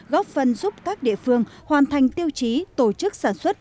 góp phần giúp các địa phương hoàn thành tiêu chí tổ chức sản xuất